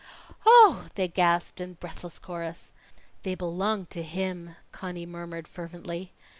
"Oh!" they gasped in breathless chorus. "They belong to him," Conny murmured fervently.